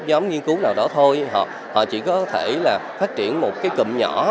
nhóm nghiên cứu nào đó thôi họ chỉ có thể là phát triển một cái cụm nhỏ